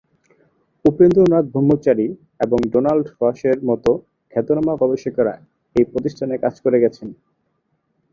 উপেন্দ্রনাথ ব্রহ্মচারী এবং রোনাল্ড রসের মত খ্যাতনামা গবেষকেরা এই প্রতিষ্ঠানে কাজ করেছেন।